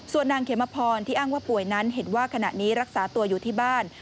ส่วนนางเขมพรที่อ้างว่าป่วยนั้นเห็นว่าขณะนี้รักษาตัวอยู่ที่บ้าน